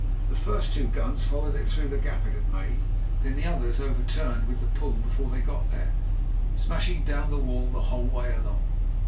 The first two guns followed it, through the gap it had made, and then the others overturned with the pull before they got there, smashing down the wall the whole way along.